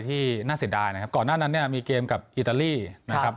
ที่น่าเสียดายนะครับก่อนหน้านั้นเนี่ยมีเกมกับอิตาลีนะครับ